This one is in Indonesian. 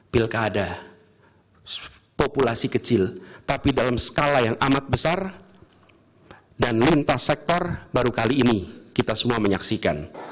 pilkada populasi kecil tapi dalam skala yang amat besar dan lintas sektor baru kali ini kita semua menyaksikan